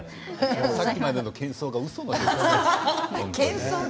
さっきまでのけん騒がうそのように。